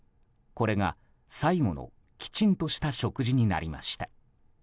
これが最後のきちんとした食事になりました。